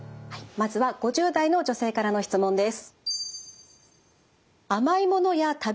まずは５０代の女性からの質問です。